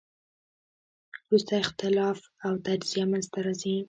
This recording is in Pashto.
وروسته اختلاف او تجزیه منځ ته راځي.